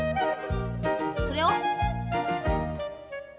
それを。